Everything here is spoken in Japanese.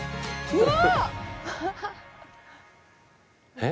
うわ！